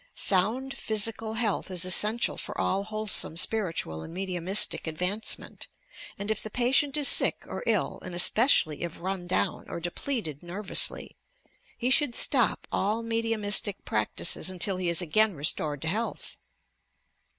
Sound physical health is essential for all wholesome spiritual and mediumistic advancement, and if the patient is sick or ill and especially if run down or depleted nervously, he should stop all mediumistic practices until he is again restored to health.